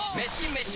メシ！